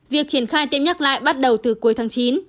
việc triển khai tiêm nhắc lại bắt đầu từ cuối tháng chín